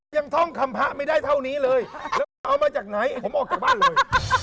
ยังท่องขำพะไม่ได้เท่านี้เลยเอามาจากไหนผมออกจากบ้านเลย